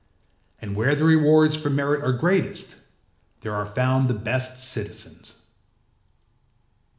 And where the rewards for merit are greatest, there are found the best citizens.